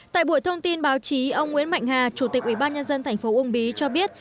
tại buổi thông tin báo chí ông nguyễn mạnh hà chủ tịch ủy ban nhân dân tp ung bí cho biết